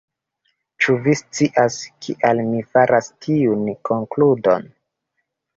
Ĉu vi scias kial mi faras tiun konkludon?